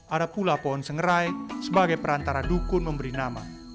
ada pula pohon sengerai sebagai perantara dukun memberi nama